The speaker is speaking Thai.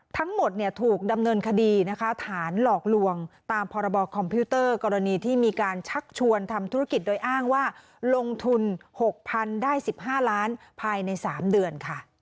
ทั้งหมดถูกดำเนินคดีนะคะฐานหลอกลวงตามพรบคอมพิวเตอร์กรณีที่มีการชักชวนทำธุรกิจโดยอ้างว่าลงทุน๖๐๐๐ได้๑๕ล้านภายใน๓เดือนค่ะ